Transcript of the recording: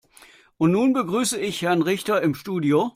Und nun begrüße ich Herrn Richter im Studio.